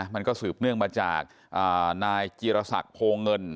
มันก็สืบเนื่องมาจากนทฮโฮเงิน